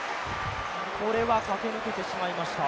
これは駆け抜けてしましました。